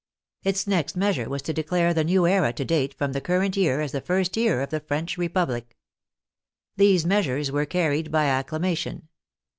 Its next measure was to declare the new era to date from the cur rent year as the first year of the French Republic. These measures were carried by acclamation.